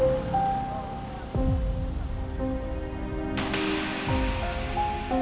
dia kayak baganya